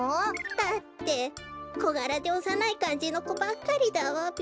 だってこがらでおさないかんじのこばっかりだわべ。